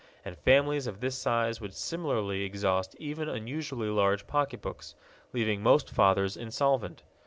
And families of this size would similarly exhaust even unusually large pocket books, leaving most fathers insolvent.